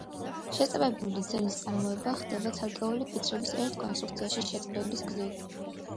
შეწებებული ძელის წარმოება ხდება ცალკეული ფიცრების ერთ კონსტრუქციაში შეწებების გზით.